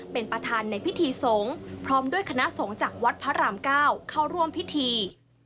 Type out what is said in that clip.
เป็นประธานในพิธีสงฆ์พร้อมด้วยคณะสงฆ์จากวัดพระราม๙เข้าร่วมพิธี